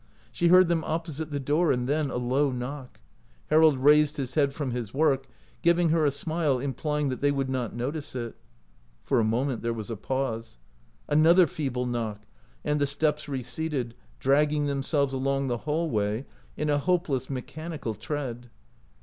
She heard them opposite the door, and then a low knock. Harold raised his head from his work, giv ing her a smile implying that they would not notice it. For a moment there was a pause. Another feeble knock, and the steps receded, dragging themselves along the hall way in a hopeless, mechanical tread.